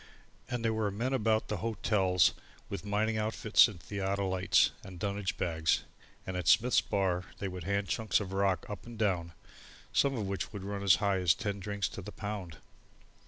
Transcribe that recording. And there were men about the hotels with mining outfits and theodolites and dunnage bags, and at Smith's bar they would hand chunks of rock up and down, some of which would run as high as ten drinks to the pound.